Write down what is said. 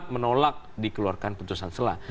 empat menolak dikeluarkan putusan sela